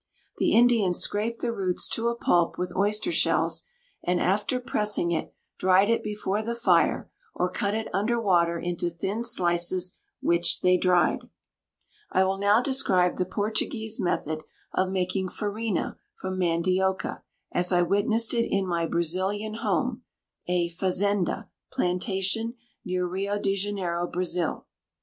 The Indians scraped the roots to a pulp with oyster shells, and after pressing it, dried it before the fire, or cut it under water into thin slices which they dried. I will now describe the Portuguese method of making farina from mandioca, as I witnessed it in my Brazilian home, a fazenda, plantation, near Rio de Janeiro, Brazil.